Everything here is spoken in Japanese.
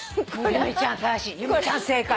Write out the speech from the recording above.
由美ちゃん正解。